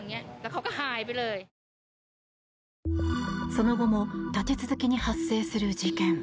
その後も立て続けに発生する事件。